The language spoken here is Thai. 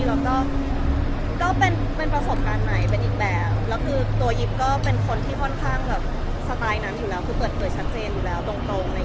แล้วก็ก็เป็นประสบการณ์ใหม่เป็นอีกแบบแล้วคือตัวยิปก็เป็นคนที่ค่อนข้างแบบสไตล์นั้นอยู่แล้วคือเปิดเผยชัดเจนอยู่แล้วตรง